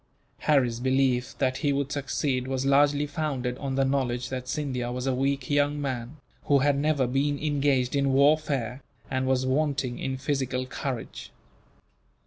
Harry's belief that he would succeed was largely founded on the knowledge that Scindia was a weak young man, who had never been engaged in warfare, and was wanting in physical courage.